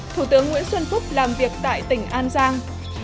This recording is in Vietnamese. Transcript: thủ tướng nguyễn xuân phúc làm việc tại tỉnh an giang